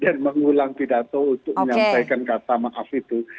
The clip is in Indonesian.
dan mengulang pidato untuk menyampaikan kata maaf itu